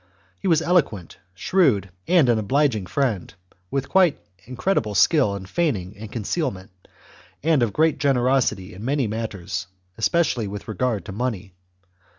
He was eloquent, shrewd, and an obliging friend, with a quite incredible skill in feigning and concealment, and of great generosity in many matters, and especially with regard to money.